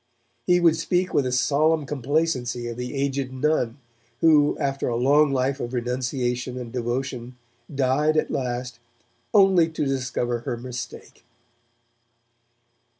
He would speak with a solemn complacency of the aged nun, who, after a long life of renunciation and devotion, died at last, 'only to discover her mistake'.